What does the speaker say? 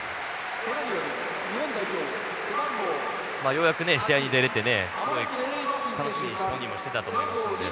ようやく試合に出れてねすごい楽しみに本人もしてたと思いますので。